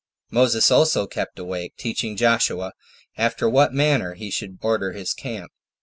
Moses also kept awake, teaching Joshua after what manner he should order his camp.